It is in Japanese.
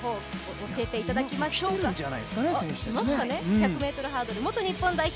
１００ｍハードル、元日本代表